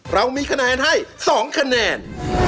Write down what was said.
เรามีคะแนนให้๒คะแนน